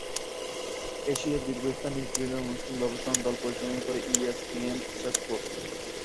এশিয়ার শীর্ষস্থানীয় ক্রীড়া অনুষ্ঠান ব্যবস্থাপনা দল পরিচালনা করে ইএসপিএন স্টার স্পোর্টস।